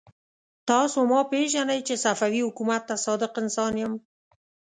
تاسو ما پېژنئ چې صفوي حکومت ته صادق انسان يم.